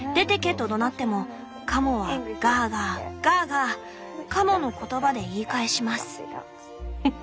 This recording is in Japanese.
とどなってもカモはガーガーガーガーカモの言葉で言い返します」。